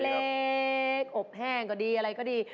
เล็กอบแห้งก็ดีอะไรก็ดี